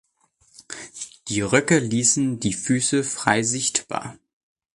Die Röcke ließen die Füße frei sichtbar.